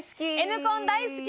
Ｎコン大好き！